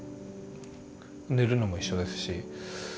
寝るのも一緒ですし。